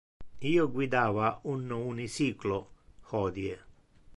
Io guidava un unicyclo hodie.